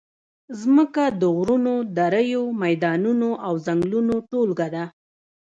مځکه د غرونو، دریو، میدانونو او ځنګلونو ټولګه ده.